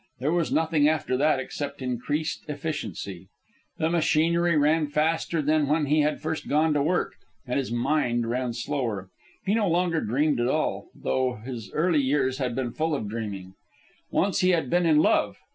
There was nothing after that except increased efficiency. The machinery ran faster than when he had first gone to work, and his mind ran slower. He no longer dreamed at all, though his earlier years had been full of dreaming. Once he had been in love.